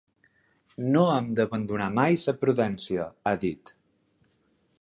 No hem d’abandonar mai la prudència, ha dit.